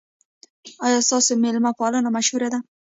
ایا ستاسو میلمه پالنه مشهوره ده؟